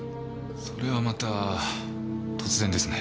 それはまた突然ですね。